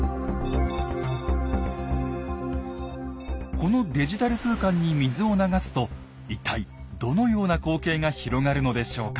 このデジタル空間に水を流すと一体どのような光景が広がるのでしょうか？